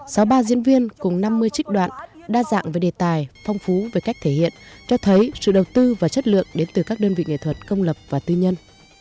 sau ba diễn viên cùng năm mươi trích đoạn đa dạng về đề tài phong phú về cách thể hiện cho thấy sự đầu tư và chất lượng đến từ các đơn vị nghệ thuật công lập và tư nhân